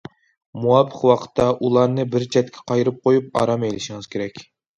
مۇۋاپىق ۋاقىتتا ئۇلارنى بىر چەتكە قايرىپ قويۇپ، ئارام ئېلىشىڭىز كېرەك.